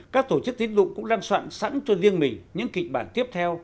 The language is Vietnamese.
các tổ chức tín dụng cũng lăn soạn sẵn cho riêng mình những kịch bản tiếp theo